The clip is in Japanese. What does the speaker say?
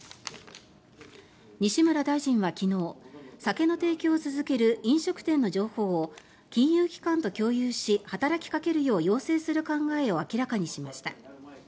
西村大臣は昨日酒の提供を続ける飲食店の情報を金融機関と共有し働きかけるよう要請する考えを明らかにしました。